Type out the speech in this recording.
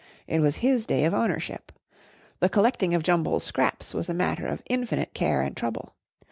It was his day of ownership. The collecting of Jumble's "scraps" was a matter of infinite care and trouble.